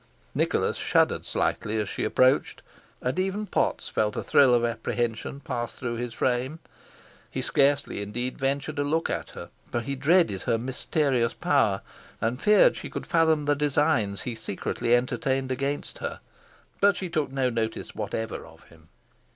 Nicholas shuddered slightly as she approached, and even Potts felt a thrill of apprehension pass through his frame. He scarcely, indeed, ventured a look at her, for he dreaded her mysterious power, and feared she could fathom the designs he secretly entertained against her. But she took no notice whatever of him.